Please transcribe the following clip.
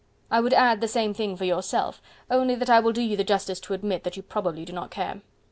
I would add, the same thing for yourself, only that I will do you the justice to admit that you probably do not care."